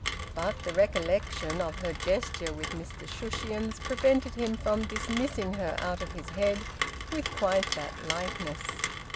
But the recollection of her gesture with Mr Shushions prevented him from dismissing her out of his head with quite that lightness...